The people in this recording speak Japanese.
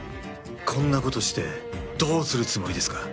こんなことしてどうするつもりですか？